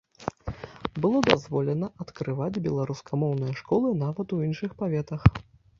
Было дазволена адкрываць беларускамоўныя школы нават у іншых паветах.